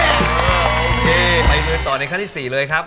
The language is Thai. โอเคไปคุยกันต่อในขั้นที่๔เลยครับ